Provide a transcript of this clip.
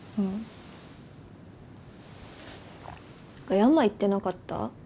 何か山行ってなかった？